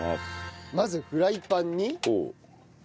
まずフライパンに。